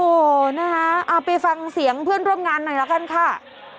โอ้โหนะคะเอาไปฟังเสียงเพื่อนร่วมงานหน่อยละกันค่ะ